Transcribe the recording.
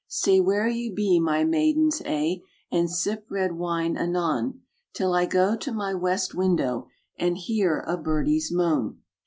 "Stay where ye be, my maidens a', And sip red wine anon, Till I go to my west window And hear a birdie's moan."